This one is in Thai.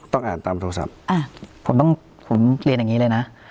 อ่านตามโทรศัพท์ผมต้องผมเรียนอย่างนี้เลยนะ